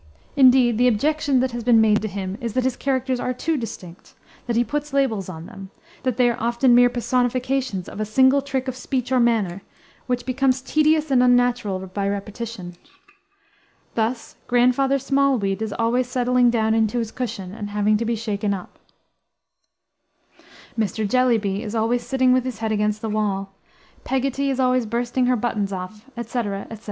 Indeed, the objection that has been made to him is that his characters are too distinct that he puts labels on them; that they are often mere personifications of a single trick of speech or manner, which becomes tedious and unnatural by repetition; thus, Grandfather Smallweed is always settling down into his cushion, and having to be shaken up; Mr. Jellyby is always sitting with his head against the wall; Peggotty is always bursting her buttons off, etc., etc.